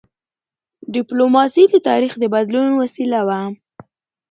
ډيپلوماسي د تاریخ د بدلون وسیله وه.